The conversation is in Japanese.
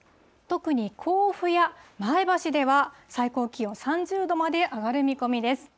特に甲府や前橋では、最高気温３０度まで上がる見込みです。